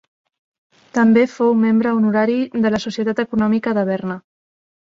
També fou membre honorari de la Societat Econòmica de Berna.